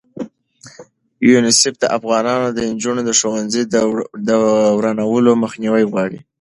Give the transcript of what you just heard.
یونیسف د افغانو نجونو ښوونځي د ورانولو مخنیوی غواړي.